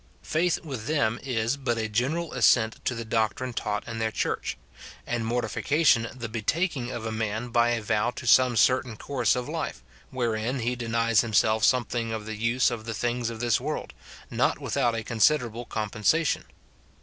Faith with them is but a general assent to the doctrine taught in their church ; and mortification the betaking of a man by a vow to some certain course of hfe, wherein he denies himself some thing of the use of the things of this world, not without a considerable compensation.